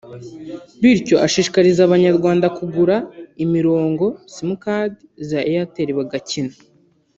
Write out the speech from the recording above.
Bityo ashishikariza Abanyarwnda kugura imirongo (sim-card) za Airtel bagakina